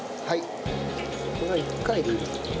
これは１回でいいんだ。